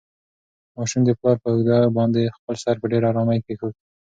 ماشوم د پلار په اوږه باندې خپل سر په ډېرې ارامۍ کېښود.